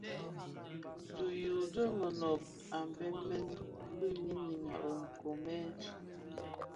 Di yuu di monōb a mbembe bi ňyinim a be nkoomèn.